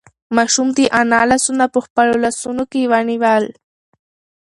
ماشوم د انا لاسونه په خپلو لاسو کې ونیول.